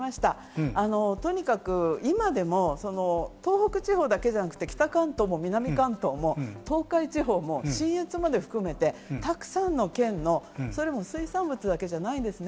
今でも東北地方だけじゃなく、北関東も南関東も東海地方も、信越まで含めてたくさんの県の水産物だけじゃないんですね。